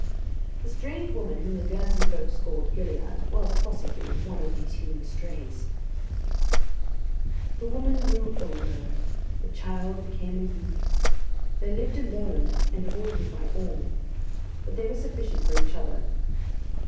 The strange woman whom the Guernsey folks called "Gilliatt" was, possibly, one of these human strays. The woman grew older; the child became a youth. They lived alone and avoided by all; but they were sufficient for each other.